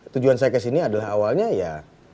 tujuan saya kesini adalah awalnya ya